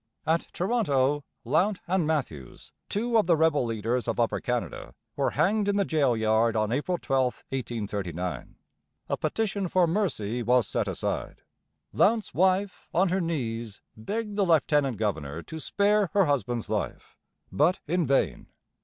At Toronto, Lount and Matthews, two of the rebel leaders of Upper Canada, were hanged in the jail yard on April 12, 1839. A petition for mercy was set aside; Lount's wife on her knees begged the lieutenant governor to spare her husband's life, but in vain.